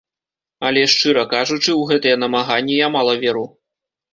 Але, шчыра кажучы, у гэтыя намаганні я мала веру.